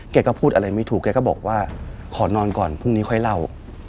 แกก็พูดอะไรไม่ถูกแกก็บอกว่าขอนอนก่อนพรุ่งนี้ค่อยเล่า